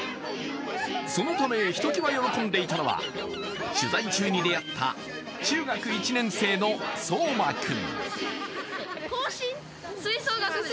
そのためひときわ喜んでいたのは取材中に出会った中学１年生の、そうまくん。